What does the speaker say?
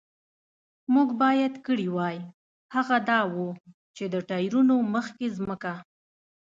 موږ باید کړي وای، هغه دا و، چې د ټایرونو مخکې ځمکه.